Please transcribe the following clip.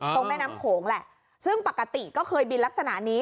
แม่น้ำโขงแหละซึ่งปกติก็เคยบินลักษณะนี้